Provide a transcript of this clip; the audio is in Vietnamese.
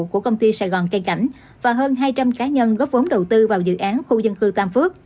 của công ty sài gòn cây cảnh và hơn hai trăm linh cá nhân góp vốn đầu tư vào dự án khu dân cư tam phước